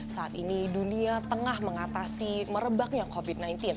saat ini dunia tengah mengatasi merebaknya covid sembilan belas